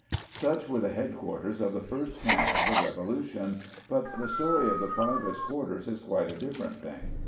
Such were the headquarters of the first camp of the Revolution but the story of the privates' quarters is quite a different thing.